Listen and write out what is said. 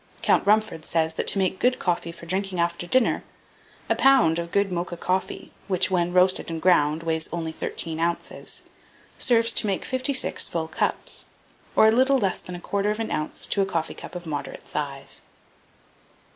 Count Rumford says that to make good coffee for drinking after dinner, a pound of good Mocha coffee, which, when roasted and ground, weighs only thirteen ounces, serves to make fifty six full cups, or a little less than a quarter of an ounce to a coffee cup of moderate size.